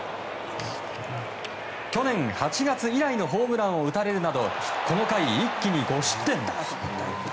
去年８月以来のホームランを打たれるなどこの回、一気に５失点。